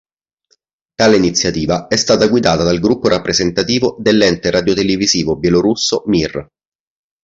Tale iniziativa è stata guidata dal gruppo rappresentativo dell'ente radiotelevisivo bielorusso Mir.